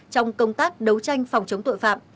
trong công tác đấu tranh phòng chống tội phạm